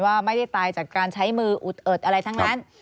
ว่าไม่ได้ตายจากการใช้มืออุดเอิดอะไรทั้งนั้น